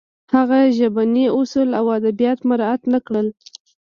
هغه ژبني اصول او ادبیات مراعت نه کړل